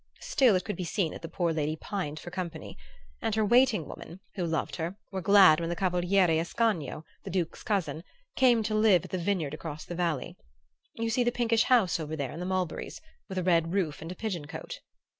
Still it could be seen that the poor lady pined for company, and her waiting women, who loved her, were glad when the Cavaliere Ascanio, the Duke's cousin, came to live at the vineyard across the valley you see the pinkish house over there in the mulberries, with a red roof and a pigeon cote?